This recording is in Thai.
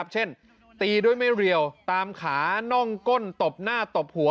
ตีด้วยไม่เรียวตามขาน่องก้นตบหน้าตบหัว